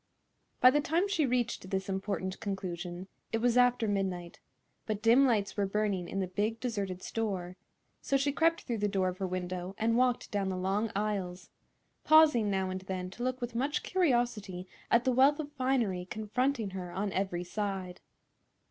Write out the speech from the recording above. By the time she reached this important conclusion, it was after midnight; but dim lights were burning in the big, deserted store, so she crept through the door of her window and walked down the long aisles, pausing now and then to look with much curiosity at the wealth of finery confronting her on every side.